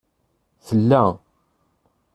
Tella